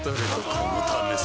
このためさ